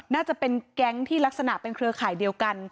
น่าจะเป็นแก๊งที่ลักษณะเป็นเครือข่ายเดียวกัน